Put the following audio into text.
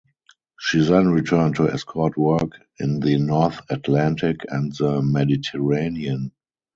She then returned to escort work in the North Atlantic and the Mediterranean.